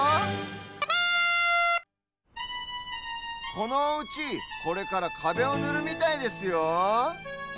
このおうちこれからかべをぬるみたいですよ。